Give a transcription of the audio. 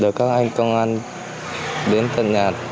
để các anh công an đến thân nhà